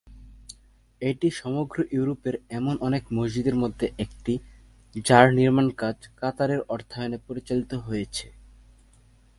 এটি সমগ্র ইউরোপের এমন অনেক মসজিদের মধ্যে একটি, যার নির্মাণকাজ কাতারের অর্থায়নে পরিচালিত হয়েছে।